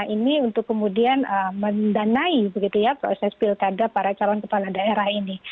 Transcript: nah ini untuk kemudian mendanai begitu ya proses pilkada para calon kepala daerah ini